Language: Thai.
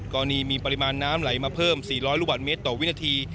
กรณีมีปริมาณน้ำไหลมาเพิ่ม๔๐๐ลูกบาทเมตรต่อวินาที